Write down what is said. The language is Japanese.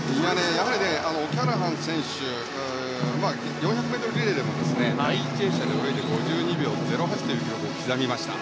オキャラハン選手４００ｍリレーでも第１泳者で泳いで５２秒０８という記録を刻みました。